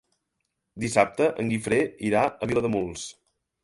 Dissabte en Guifré irà a Vilademuls.